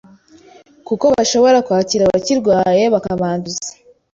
kuko bashobora kwakira abakirwaye bakabanduza”.